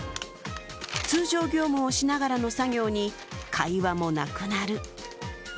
通常業務をしながらの作業に会話もなくなる。